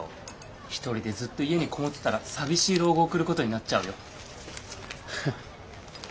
一人でずっと家に籠もってたら寂しい老後を送ることになっちゃうよ。